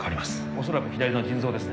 恐らく左の腎臓ですね